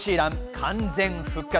完全復活。